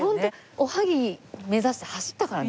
おはぎ目指して走ったからね